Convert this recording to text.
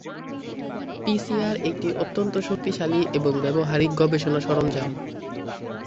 PCR একটি অত্যন্ত শক্তিশালী এবং ব্যবহারিক গবেষণা সরঞ্জাম।